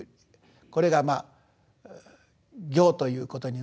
これがまあ行ということになろうかと思うんですが。